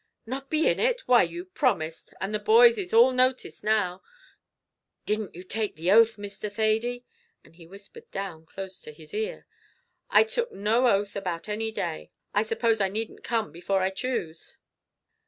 "Not be in it! why you promised; and the boys is all noticed now. Didn't you take the oath, Mr. Thady?" and he whispered down close to his ear. "I took no oath about any day. I suppose I needn't come before I choose?"